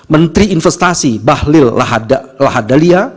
menteri investasi bahlil lahadalia